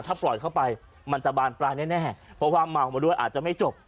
ถ้าปล่อยเข้าไปมันจะบานปลายแน่เพราะว่าเมามาด้วยอาจจะไม่จบ